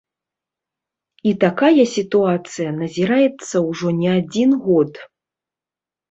І такая сітуацыя назіраецца ўжо не адзін год.